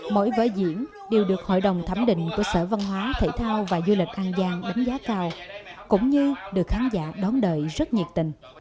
mỗi vở diễn đều được hội đồng thẩm định của sở văn hóa thể thao và du lịch an giang đánh giá cao cũng như được khán giả đón đợi rất nhiệt tình